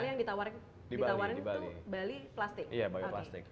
pertama kali yang ditawarin itu bali plastik